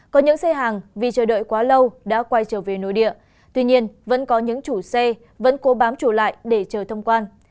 có những xe hàng vì chờ đợi quá lâu đã quay trở về nội địa tuy nhiên vẫn có những chủ xe vẫn cố bám trụ lại để chờ thông quan